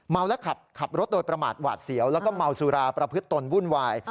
ขับรถโดยประมาทหวาดเสียวแล้วก็เมาสุราประพฤติตนวุ่นวาย